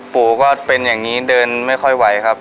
ปู่ก็เป็นอย่างนี้เดินไม่ค่อยไหวครับ